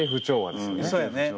そうやね。